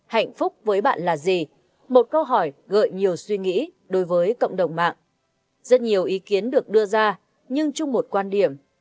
hạnh phúc với bạn là gì một câu hỏi gợi nhiều suy nghĩ đối với cộng đồng mạng rất nhiều ý kiến được đưa ra nhưng chung một quan điểm